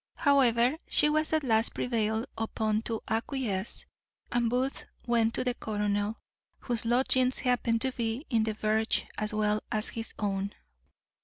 However, she was at last prevailed upon to acquiesce; and Booth went to the colonel, whose lodgings happened to be in the verge as well as his own.